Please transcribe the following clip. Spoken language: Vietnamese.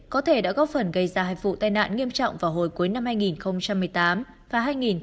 có thể đã góp phần gây ra hai vụ tai nạn nghiêm trọng vào hồi cuối năm hai nghìn một mươi tám và hai nghìn một mươi chín